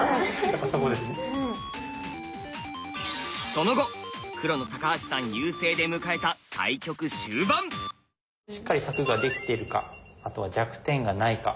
その後黒の橋さん優勢で迎えたしっかり柵ができているかあとは弱点がないか。